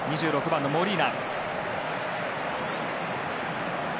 ２６番のモリーナ。